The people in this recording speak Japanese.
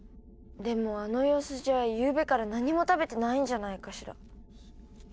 でもあの様子じゃゆうべから何も食べてないんじゃないかしら。